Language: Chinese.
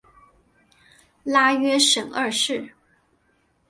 拉约什二世。